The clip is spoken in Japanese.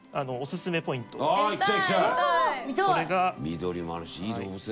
緑もあるしいい動物園だよ。